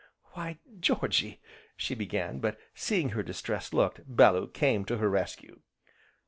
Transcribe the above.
"Why Georgy " she began, but seeing her distressed look, Bellew came to her rescue.